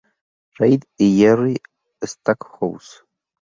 Reid y Jerry Stackhouse.